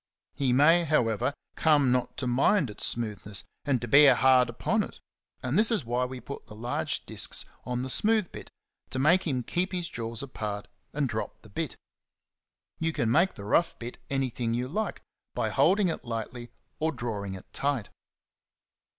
He may, however, come not to mind its smoothness and to bear hard upon it; and this is why we put the large discs on the smooth bit, to make him keep his jaws apart and drop the bit. You can make the rough bit anything you like by holding it lightly or drawing it tight.